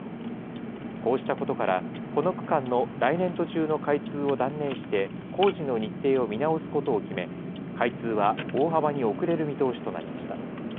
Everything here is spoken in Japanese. こうしたことから、この区間の来年度中の開通を断念して、工事の日程を見直すことを決め、開通は大幅に遅れる見通しとなりました。